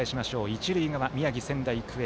一塁側、仙台育英。